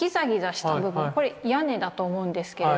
これ屋根だと思うんですけれども。